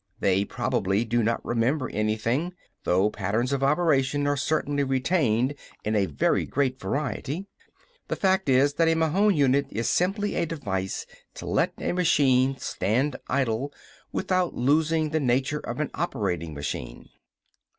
They probably do not remember anything, though patterns of operation are certainly retained in very great variety. The fact is that a Mahon unit is simply a device to let a machine stand idle without losing the nature of an operating machine.